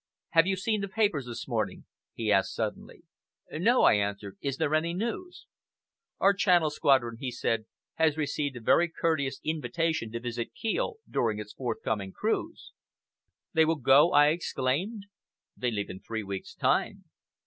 "Have you seen the papers this morning?" he asked suddenly. "No!" I answered. "Is there any news?" "Our Channel Squadron," he said, "has received a very courteous invitation to visit Kiel during its forthcoming cruise." "They will go?" I exclaimed. "They leave in three weeks' time."